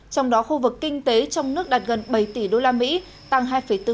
trong đó khu vực kinh tế trong nước đạt gần bảy tỷ đô la mỹ tăng hai bốn